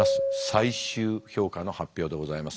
最終評価の発表でございます。